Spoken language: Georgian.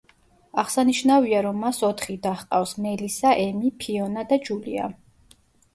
აღსანიშნავია, რომ მას ოთხი და ჰყავს: მელისა, ემი, ფიონა და ჯულია.